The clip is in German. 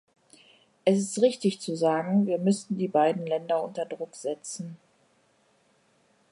Es ist richtig zu sagen, wir müssen die beiden Länder unter Druck setzen.